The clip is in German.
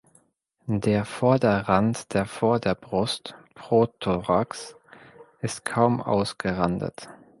Der Vorderrand der Vorderbrust (Prothorax) ist kaum ausgerandet.